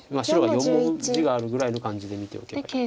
白は４目地があるぐらいの感じで見ておけば。